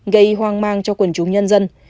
gây hoang mang cho quần chúng nhân dân